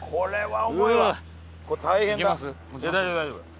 大丈夫大丈夫。